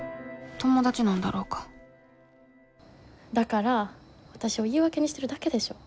ともだちなんだろうかだからわたしを言い訳にしてるだけでしょ。